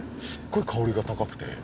すっごい香りが高くて。